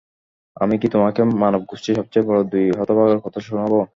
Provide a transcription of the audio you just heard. আমি কি তোমাকে মানব গোষ্ঠীর সবচেয়ে বড় দুই হতভাগার কথা শুনাব?